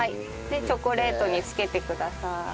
でチョコレートにつけてください。